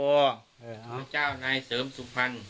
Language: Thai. ข้าพเจ้านายเสริมสุมพันธ์